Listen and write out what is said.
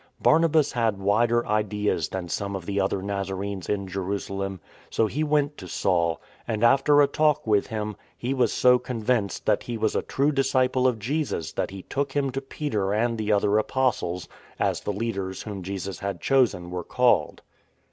Barnabas had wider ideas than some of the other Nazarenes in Jerusalem, so he went to Saul, and, after a talk with him, he was so convinced that he was a true disciple of Jesus that he took him to Peter and the other apostles (as the leaders whom Jesus had chosen were called).